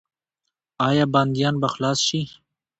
آیا بندیان به خلاص شي؟